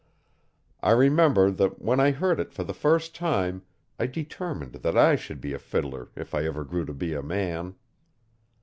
I remember that when I heard it for the first time, I determined that I should be a fiddler if I ever grew to be a man.